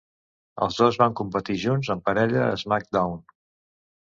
Els dos van competir junts en parella a SmackDown!